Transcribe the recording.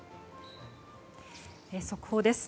速報です。